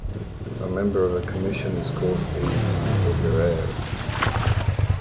A member of a commission is called a "foguerer".